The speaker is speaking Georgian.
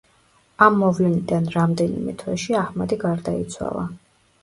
ამ მოვლენიდან ამდენიმე თვეში აჰმადი გარდაიცვალა.